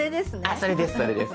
あっそれですそれです。